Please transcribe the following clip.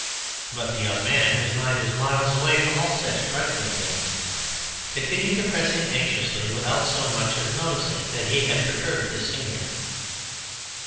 But the Young Man, whose mind was miles away from all such trifling things, continued to press him anxiously without so much as noticing that he had perturbed his Senior.